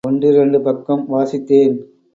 ஒன்றிரண்டு பக்கம் வாசித்தேன்.